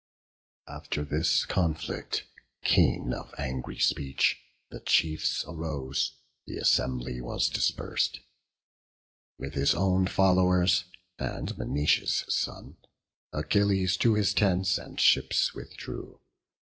After this conflict keen of angry speech, The chiefs arose, the assembly was dispers'd. With his own followers, and Menoetius' son, Achilles to his tents and ships withdrew.